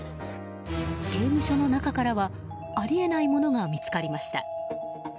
刑務所の中からはあり得ないものが見つかりました。